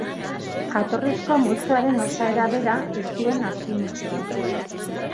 Jatorrizko multzoaren osaera bera ez duen azpimultzoa.